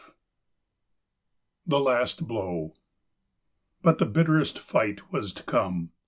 XXXIII THE LAST BLOW BUT the bitterest fight was to come.